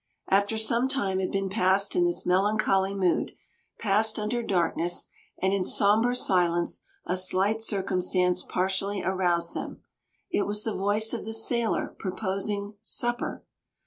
After some time had been passed in this melancholy mood, passed under darkness and in sombre silence, a slight circumstance partially aroused them. It was the voice of the sailor, proposing "supper!"